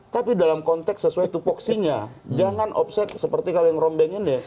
tapi dalam konteks sesuai tupuksinya jangan offset seperti kalian rombeng ini